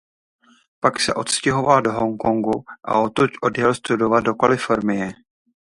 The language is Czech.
Pak se odstěhoval do Hongkongu a odtud odjel studoval do Kalifornie.